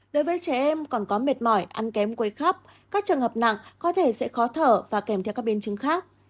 đối với trẻ em còn có mệt mỏi ăn kém quấy khóc các trường hợp nặng có thể sẽ khó thở và kèm theo các biến chứng khác